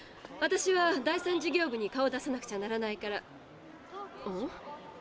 私は第３事業部に顔を出さなくちゃならないから。